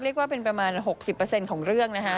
เรียกว่าเป็นประมาณ๖๐ของเรื่องนะฮะ